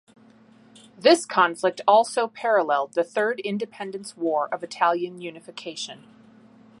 This conflict also paralleled the Third Independence War of Italian unification.